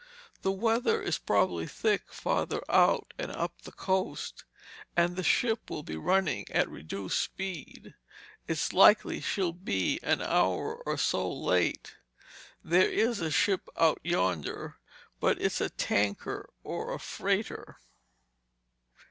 The weather is probably thick farther out and up the coast, and the ship will be running at reduced speed. It's likely she'll be an hour or so late. There is a ship out yonder, but it's a tanker or a freighter."